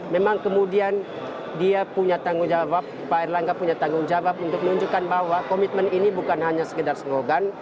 memang kemudian dia punya tanggung jawab pak erlangga punya tanggung jawab untuk menunjukkan bahwa komitmen ini bukan hanya sekedar slogan